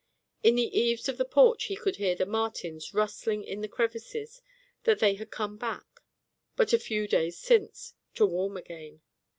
In the eaves of the porch he could hear the martins rustling in the crevices that they had come back, but a few days since, to warm again.